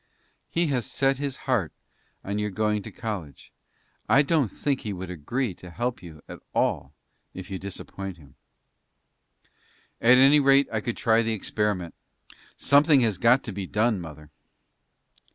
"He has set his heart on your going to college. I don't think he would agree to help you at all if you disappoint him." "At any rate, I could try the experiment. Something has got to be done, mother."